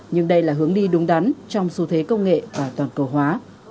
nhưng đây là hướng đi đúng đắn trong xu thế công nghệ và toàn cầu hóa